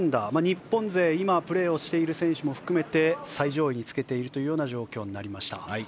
日本勢、今プレーしている選手を含めて最上位につけている状況になりました。